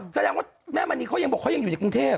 แสดงว่าแม่มณีเขายังบอกเขายังอยู่ในกรุงเทพ